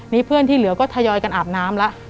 นี่เพื่อนที่เหลือก็ทยอยกันอาบน้ำแล้ว